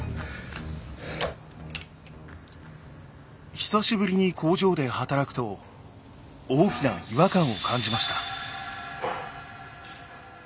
久しぶりに工場で働くと大きな違和感を感じました。